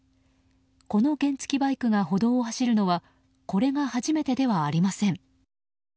この原付きバイクが歩道を走るのはこれが初めてではありません。